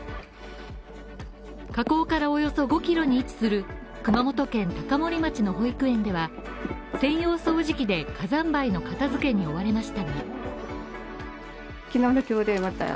火口からおよそ５キロに位置する熊本県高森町の保育園では、専用掃除機で、火山灰の片付けに追われました。